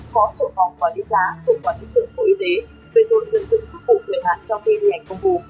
khó trộm phòng quản lý giá tội quản lý sự cổ y tế về tội lợi dụng chức phủ khuyển hạn trong khi đi hành công vụ